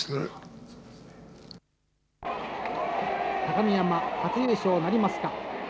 高見山、初優勝なりますか。